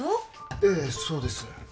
ええそうです